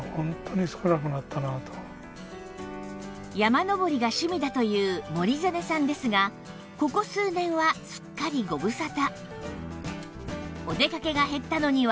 山登りが趣味だという森実さんですがここ数年はすっかりご無沙汰